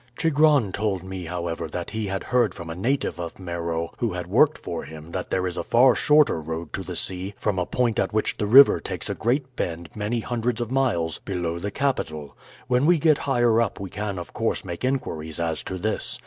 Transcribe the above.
"Chigron told me, however, that he had heard from a native of Meroe who had worked for him that there is a far shorter road to the sea from a point at which the river takes a great bend many hundreds of miles below the capital. When we get higher up we can of course make inquiries as to this.